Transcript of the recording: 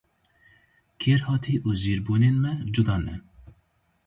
Kêrhatî û jîrbûnên me cuda ne.